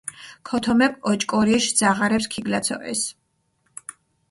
ქოთომეფქ ოჭკორიეშ ძაღარეფს ქიგლაცოჸეს.